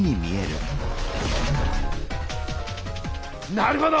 なるほど！